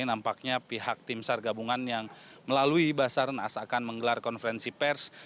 nampaknya pihak tim sar gabungan yang melalui basarnas akan menggelar konferensi pers